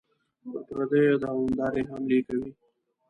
پر پردیو دوامدارې حملې کوي.